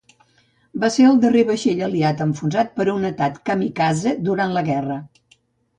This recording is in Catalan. Va ser el darrer vaixell aliat enfonsat per un atac kamikaze durant la guerra.